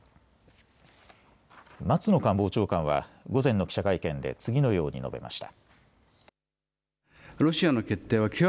松野官房長官は午前の記者会見で次のように述べました。